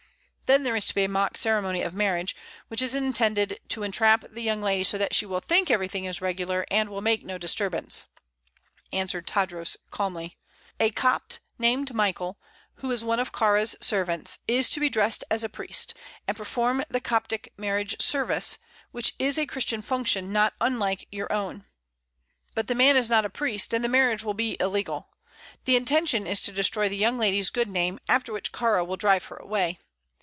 "Then there is to be a mock ceremony of marriage, which is intended to entrap the young lady so that she will think everything is regular, and will make no disturbance," answered Tadros, calmly. "A Copt, named Mykel, who is one of Kāra's servants, is to be dressed as a priest and perform the Coptic marriage service, which is a Christian function not unlike your own. But the man is not a priest, and the marriage will be illegal. The intention is to destroy the young lady's good name, after which Kāra will drive her away.